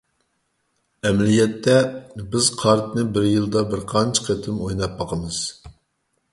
ئەمەلىيەتتە، بىز قارتىنى بىر يىلدا بىرقانچە قېتىم ئويناپ باقىمىز.